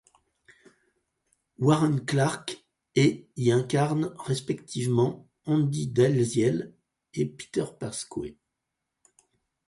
Warren Clarke et y incarnent respectivement Andy Dalziel et Peter Pascoe.